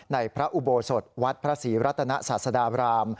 ในพระอุโบสถวัดพระศรีรัตนศาสดาบราม